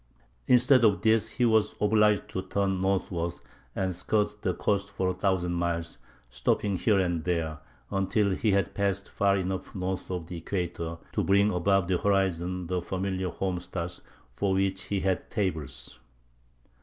Instead of this, he was obliged to turn northward and skirt the coast for a thousand miles, stopping here and there, until he had passed far enough north of the equator to bring above the horizon the familiar home stars, for which he had "tables."